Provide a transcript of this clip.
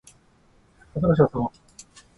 新しいあさが来た